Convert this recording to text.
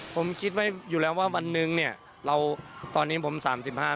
ผมคิดไว้อยู่แล้วว่าวันหนึ่งตอนนี้ผม๓๕ปี